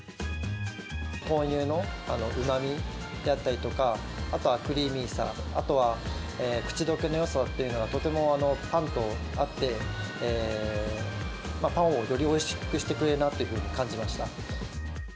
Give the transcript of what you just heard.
豆乳のうまみであったりとか、あとはクリーミーさ、あとはくちどけのよさというのはとてもパンと合って、パンをよりおいしくしてくれるなというふうに感じました。